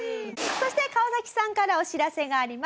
そして川さんからお知らせがあります。